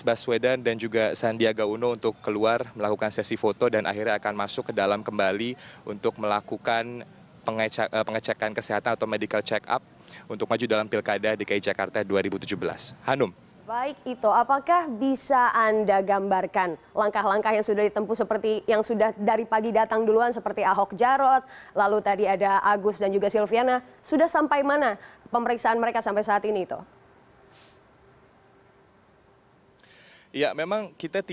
pasangan calon gubernur anies baswedan dan juga sandiaga uno sudah tiba di rumah sakit angkatan laut minto harjo bendungan hilir jakarta pusat